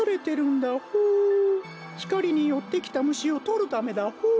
ひかりによってきたむしをとるためだホー。